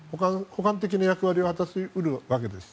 補完的な役割を果たし得るわけです。